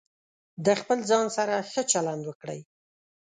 د خپل ځان سره ښه چلند وکړئ.